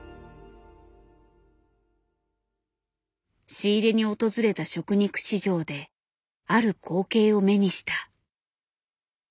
仕入れに訪れた食肉市場である光景を目にした。